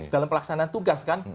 dalam pelaksanaan tugas kan